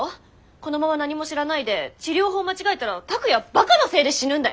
このまま何も知らないで治療法を間違えたら拓哉ばかのせいで死ぬんだよ？